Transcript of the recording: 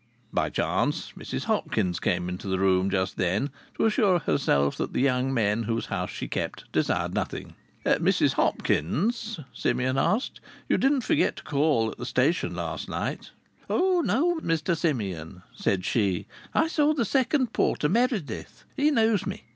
By chance, Mrs Hopkins came into the room just then to assure herself that the young men whose house she kept desired nothing. "Mrs Hopkins," Simeon asked, "you didn't forget to call at the station last night?" "Oh no, Mr Simeon," said she; "I saw the second porter, Merrith. He knows me.